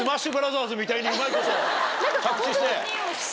みたいにうまいこと着地して。